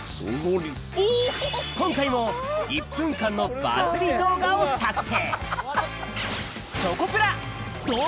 今回も１分間のバズり動画を作成